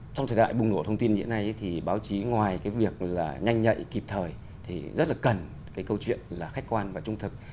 trong thời đại bùng nổ thông tin hiện nay thì báo chí ngoài cái việc là nhanh nhạy kịp thời thì rất là cần cái câu chuyện là khách quan và trung thực